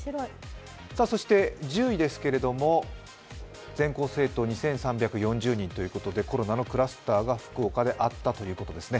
そして１０位ですけど、全校生徒２３４０人ということですが、コロナのクラスターが福岡であったということですね。